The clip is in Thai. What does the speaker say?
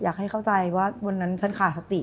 อยากให้เข้าใจว่าวันนั้นฉันขาดสติ